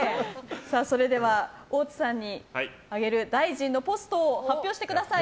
それでは、大津さんにあげる大臣のポストを発表してください。